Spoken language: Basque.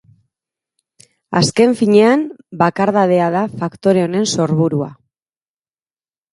Azken finean, bakardadea da faktore honen sorburua.